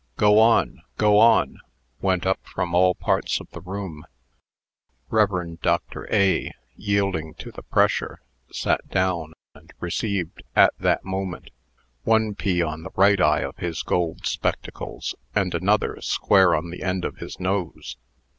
"Go on! go on!" went up from all parts of the room. Rev. Dr. A , yielding to the pressure, sat down, and received, at that moment, one pea on the right eye of his gold spectacles, and another square on the end of his nose.